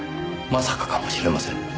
まさかかもしれませんね。